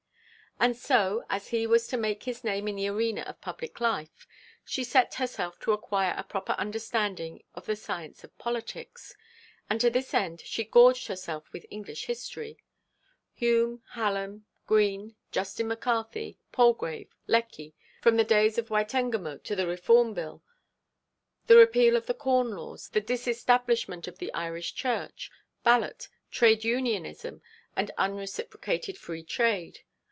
And so, as he was to make his name in the arena of public life, she set herself to acquire a proper understanding of the science of politics; and to this end she gorged herself with English history, Hume, Hallam, Green, Justin McCarthy, Palgrave, Lecky, from the days of Witenagemote to the Reform Bill; the Repeal of the Corn Laws, the Disestablishment of the Irish Church, Ballot, Trade Unionism, and unreciprocated Free Trade.